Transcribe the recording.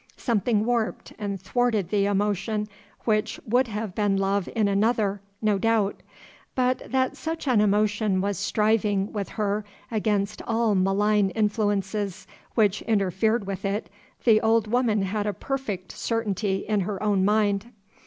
Something warped and thwarted the emotion which would have been love in another, no doubt; but that such an emotion was striving with her against all malign influences which interfered with it the old woman had a perfect certainty in her own mind.